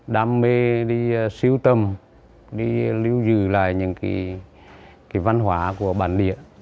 đam mê đi siêu tầm đi lưu giữ lại những cái văn hóa của bản địa